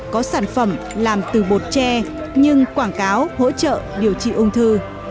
có sản phẩm làm từ bột tre nhưng quảng cáo hỗ trợ điều trị ung thư